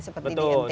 seperti di ntp